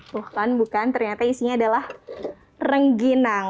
tuh kan bukan ternyata isinya adalah rengginang